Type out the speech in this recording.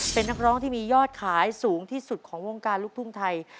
เป็นนักร้องที่มียอดขายสูงที่สุดของวงการลูกทุ่งไทย